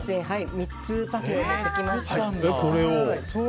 ３つパフェを持ってきました。